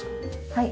はい。